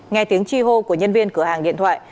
nghe tiếng chi hô của nhân viên cửa hàng điện thoại